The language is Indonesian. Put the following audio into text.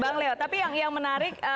bang leo tapi yang menarik